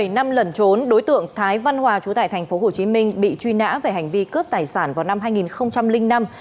một mươi bảy năm lẩn trốn đối tượng thái văn hòa trú tại tp hcm bị truy nã về hành vi cướp tài sản vào năm hai nghìn năm